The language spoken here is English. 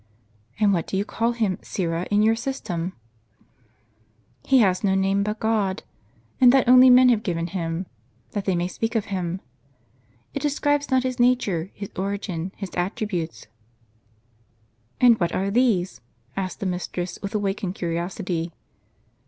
" And Avhat do you call Him, Syra, in your system ?"" He has no name but God ; and that only men have given Him, that they may speak of Him. It describes not His nature. His origin, His attributes." "And what are these?" asked the mistress, with awak ened curiosity.